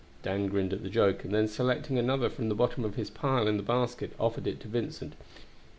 Dan grinned at the joke, and then selecting another from the bottom of his pile in the basket, offered it to Vincent.